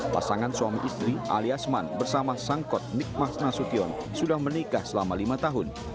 pasangan suami istri alias man bersama sangkot nikmas nasution sudah menikah selama lima tahun